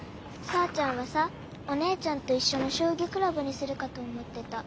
さーちゃんはさお姉ちゃんといっしょのしょうぎクラブにするかと思ってた。